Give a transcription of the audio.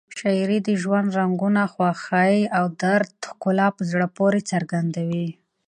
شاعري د ژوند رنګونه، خوښۍ او درد ښکلا په زړه پورې څرګندوي.